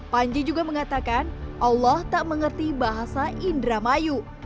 panji juga mengatakan allah tak mengerti bahasa indramayu